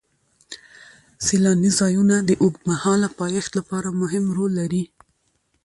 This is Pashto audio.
سیلاني ځایونه د اوږدمهاله پایښت لپاره مهم رول لري.